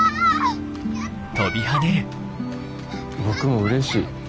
僕もうれしい。